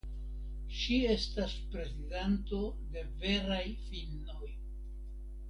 Ŝi estas prezidanto de Veraj finnoj.